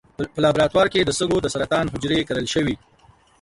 په لابراتوار کې د سږو د سرطان حجرې کرل شوي.